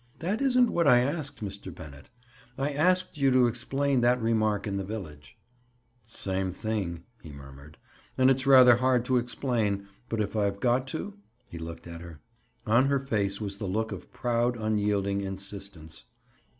"That isn't what I asked, Mr. Bennett. I asked you to explain that remark in the village." "Same thing!" he murmured. "And it's rather hard to explain, but if I've got to—?" He looked at her. On her face was the look of proud unyielding insistence.